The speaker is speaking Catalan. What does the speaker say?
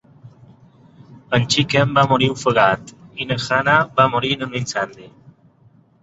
En Chicken va morir ofegat i la Hannah va morir en un incendi.